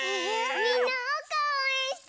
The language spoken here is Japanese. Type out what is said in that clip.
みんなおうかをおうえんしてね！